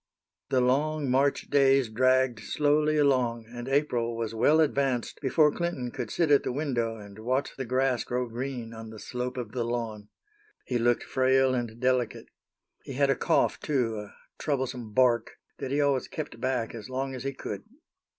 The long March days dragged slowly along, and April was well advanced before Clinton could sit at the window, and watch the grass grow green on the slope of the lawn. He looked frail and delicate. He had a cough, too, a troublesome "bark," that he always kept back as long as he could.